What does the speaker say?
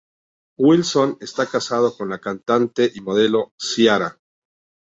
Wilson está casado con la cantante y modelo Ciara.